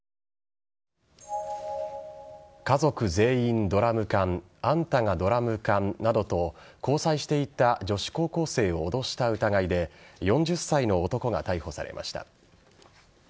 家族全員ドラム缶あんたがドラム缶などと交際していた女子高校生を脅した疑いで４０歳の男が逮捕されました。